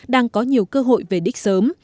đang có nhiều cơ hội về đích sớm